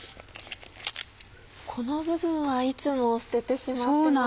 この部分はいつも捨ててしまってました。